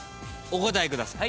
お答えください。